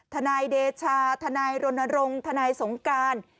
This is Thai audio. ทนายเดชาทนายรณรงค์ทนายสงการ